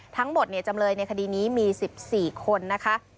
ทั้งหมดจำเลยในคดีนี้มี๑๔คนนะคะ